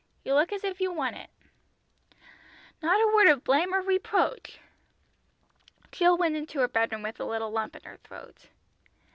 You look as if you want it." Not a word of blame or reproach! Jill went into her bedroom with a little lump in her throat.